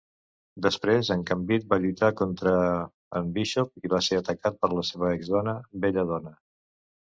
Després en Gambit va lluitar contra en Bishop i va ser atacat per la seva exdona Bella Donna.